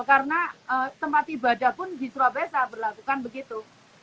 karena tempat ibadah pun di surabaya saya berlakukan begitu